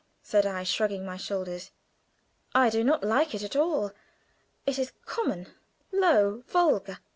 said I, shrugging my shoulders. "I do not like it at all; it is common, low, vulgar.